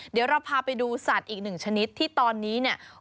เดี๋ยวเราพาไปดูสัตว์อีกหนึ่งชนิดที่ตอนนี้เนี่ย